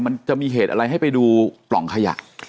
มันจะมีเหตุอะไรให้ไปดูปล่องขยะ